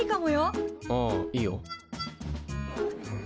ああいいよ。